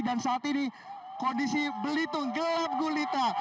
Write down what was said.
dan saat ini kondisi belitung gelap gulita